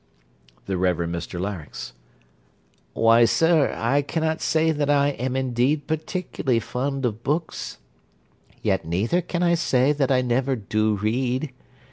THE REVEREND MR LARYNX Why, sir, I cannot say that I am indeed particularly fond of books; yet neither can I say that I never do read.